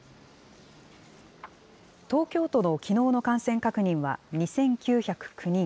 東京都のきのうの感染確認は２９０９人。